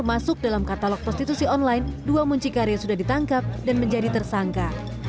masuk dalam katalog prostitusi online dua muncikari sudah ditangkap dan menjadi tersangka